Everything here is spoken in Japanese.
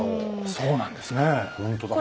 そうなんですね。